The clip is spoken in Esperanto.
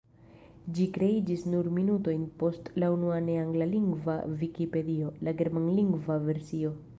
Ĝi kreiĝis nur minutojn post la unua ne-anglalingva vikipedio, la germanlingva versio.